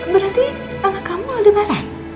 berarti anak kamu aldebaran